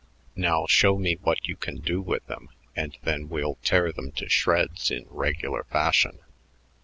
Now show me what you can do with them, and then we'll tear them to shreds in regular fashion."